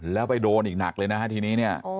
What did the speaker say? แล้วไปโดนอีกหนักเลยนะฮะทีนี้เนี่ย